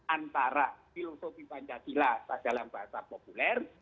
antara filosofi pancasila dalam bahasa populer